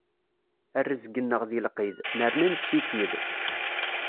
A rrezg-nneɣ di lqid, nerna nessikid.